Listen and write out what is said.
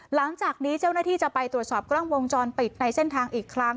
หลังจากนี้เจ้าหน้าที่จะไปตรวจสอบกล้องวงจรปิดในเส้นทางอีกครั้ง